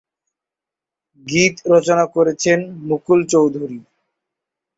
গীত রচনা করেছেন মুকুল চৌধুরী।